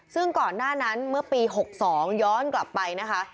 ซึ่งก่อนหน้านั้นเมื่อปี๖๒ย้อนกลับไปนะคะ